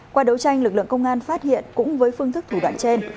qua đấu tranh lực lượng công an phát hiện cũng với phương thức thủ đoạn trên